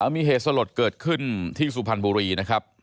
มีเหตุสลดเกิดขึ้นที่สุพรรณบุรีนะครับ